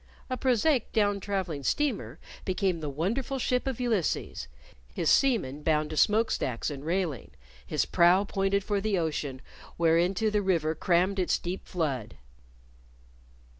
A prosaic down traveling steamer became the wonderful ship of Ulysses, his seamen bound to smokestacks and railing, his prow pointed for the ocean whereinto the River crammed its deep flood.